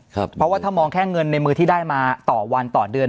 เพราะว่าถ้ามองแค่เงินในมือที่ได้มาต่อวันต่อเดือน